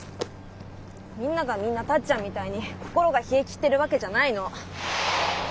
みんながみんなタッちゃんみたいに心が冷えきってるわけじゃないの。